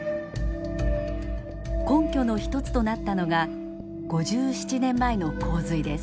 根拠の一つとなったのが５７年前の洪水です。